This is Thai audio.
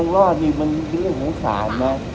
ของรอดนี่เป็นเรื่องโขค่านะ